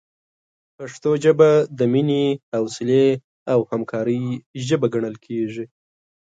پښتو د مینې، حوصلې، او همکارۍ ژبه ګڼل کېږي.